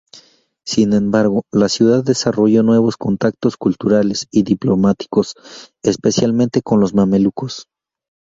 Sin embargo, la ciudad desarrolló nuevos contactos culturales y diplomáticos, especialmente con los mamelucos.